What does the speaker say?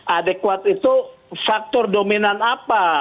adekuat itu faktor dominan apa